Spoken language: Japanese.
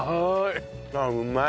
うまい！